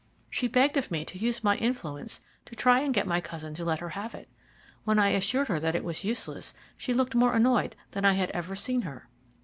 She begged of me to use my influence to try and get my cousin to let her have it. When I assured her that it was useless, she looked more annoyed than I had ever seen her.